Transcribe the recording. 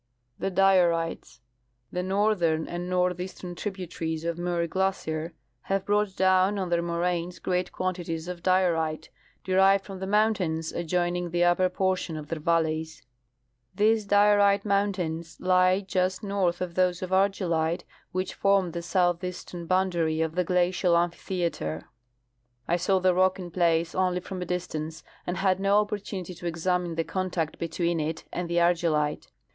The Diorites. — The northern and northeastern tributaries of Muir glacier have brought down on their moraines great quanti ties of diorite, derived from the mountains adjoining the upper j)ortions of their valleys. These diorite mountains lie just north of those of argillite which form the southeastern boundary of the glacial amphitheater. • I saw the rock in place only from a dis tance, and had no opportunity to examine the contact between it and the argillite.